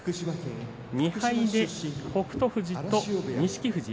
２敗で北勝富士と錦富士